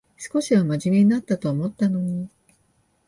少しはまじめになったと思ったのに